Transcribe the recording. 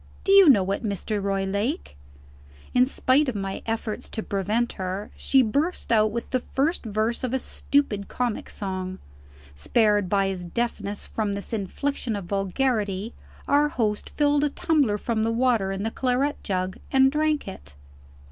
Do you know it, Mr. Roylake?" In spite of my efforts to prevent her, she burst out with the first verse of a stupid comic song. Spared by his deafness from this infliction of vulgarity, our host filled a tumbler from the water in the claret jug, and drank it.